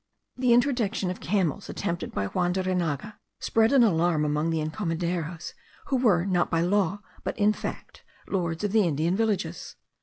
The introduction of camels attempted by Juan de Reinaga spread an alarm among the encomenderos, who were, not by law, but in fact, lords of the Indian villages.